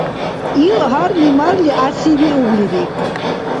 Ил, гьарли-марли, гӀясивиублири.